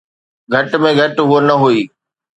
گهٽ ۾ گهٽ هوءَ نه هئي.